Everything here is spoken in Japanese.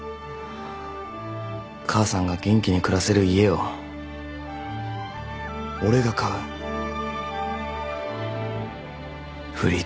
母さんが元気に暮らせる家を俺が買う。